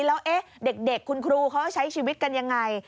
แล้วเด็กคุณครูเขาจะใช้ชีวิตกันยังไง